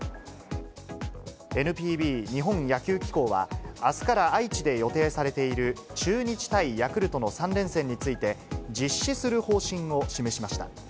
ＮＰＢ・日本野球機構は、あすから愛知で予定されている中日対ヤクルトの３連戦について、実施する方針を示しました。